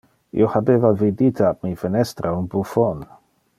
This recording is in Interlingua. Io habeva vidite ab mi fenestra un bufon.